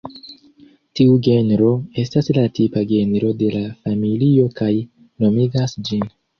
Tiu genro estas la tipa genro de la familio kaj nomigas ĝin.